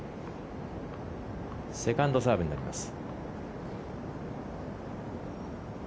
セカンドサーブになります。